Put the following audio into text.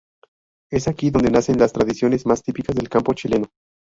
Es aquí, donde nacen las tradiciones más típicas del campo chileno.